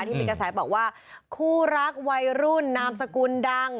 ที่มีกระแสบอกว่าคู่รักวัยรุ่นนามสกุลดัง